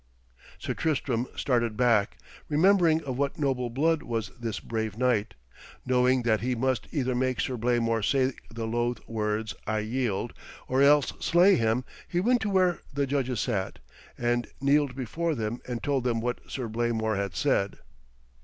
Sir Tristram started back, remembering of what noble blood was this brave knight. Knowing that he must either make Sir Blamor say the loth words 'I yield,' or else slay him, he went to where the judges sat, and kneeled before them and told them what Sir Blamor had said.